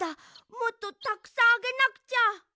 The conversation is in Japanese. もっとたくさんあげなくちゃ！